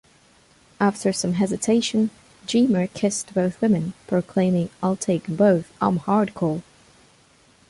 After some hesitation, Dreamer kissed both women, proclaiming I'll take em both, I'm hardcore!